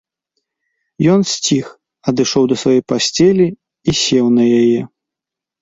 Ён сціх, адышоў да сваёй пасцелі і сеў на яе.